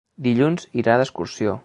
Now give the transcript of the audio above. Dilluns irà d'excursió.